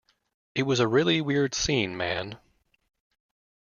It was a really weird scene, man.